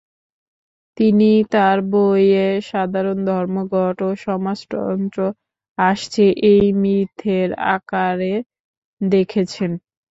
তিনি তার বইয়ে 'সাধারণ ধর্মঘট'কে সমাজতন্ত্র আসছে এই মিথের আকারে দেখেছেন।